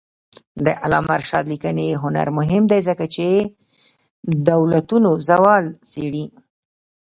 د علامه رشاد لیکنی هنر مهم دی ځکه چې دولتونو زوال څېړي.